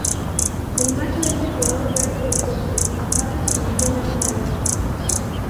El macho es de color verde brillante, con patas y antenas negras.